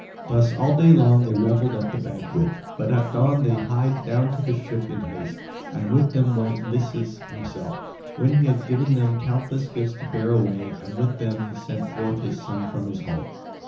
Thus all day long they revelled at the banquet. But at dawn they hied down to the ship in haste; and with them went Lycus himself, when he had given them countless gifts to bear away; and with them he sent forth his son from his home.